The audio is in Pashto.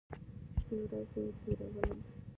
شپې ورځې تېرولې.